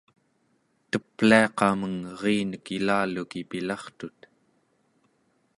tep'liaqameng erinek ilaluki pilartut